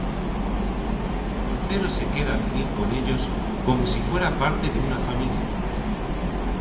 Lucero se queda a vivir con ellos como si fuera parte de una familia.